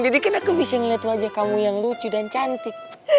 jadi kan aku bisa liat wajah kamu yang lucu dan cantik